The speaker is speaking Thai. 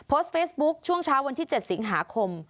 โพสต์เฟซบุ๊คช่วงเช้าวันที่๗สิงหาคม